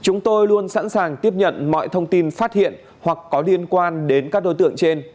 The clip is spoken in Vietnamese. chúng tôi luôn sẵn sàng tiếp nhận mọi thông tin phát hiện hoặc có liên quan đến các đối tượng trên